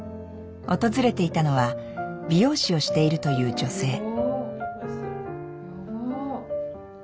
訪れていたのは美容師をしているという女性。